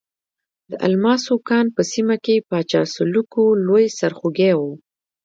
د الماسو کان په سیمه کې پاچا سلوکو لوی سرخوږی وو.